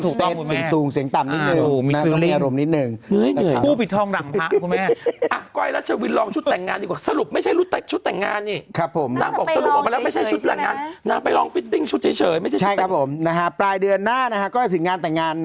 ต้องได้เชื่อมสุขสูงสูงต่ำนิดหนึ่ง